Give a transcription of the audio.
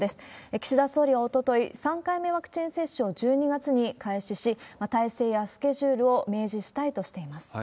岸田総理はおととい、３回目のワクチン接種を１２月に開始し、体制やスケジュールを明示したいとしています。